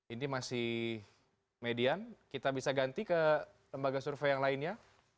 ini masih median kita bisa ganti ke lembaga survei yang lainnya